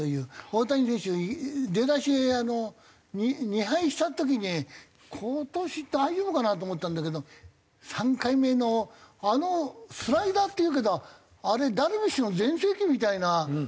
大谷選手出だし２敗した時に今年大丈夫かな？と思ったんだけど３回目のあのスライダーっていうけどあれダルビッシュの全盛期みたいな。